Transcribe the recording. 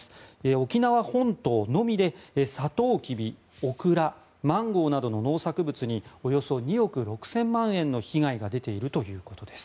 沖縄本島のみで、サトウキビオクラ、マンゴーなどの農作物におよそ２億６０００万円の被害が出ているということです。